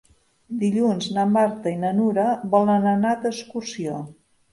Dilluns na Marta i na Nura volen anar d'excursió.